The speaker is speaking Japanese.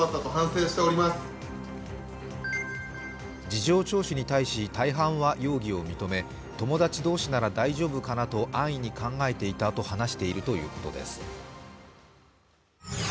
事情聴取に対し、大半は容疑を認め、友達同士なら大丈夫かなと安易に考えていたと話しているということです。